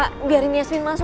tungguin yasmin dulu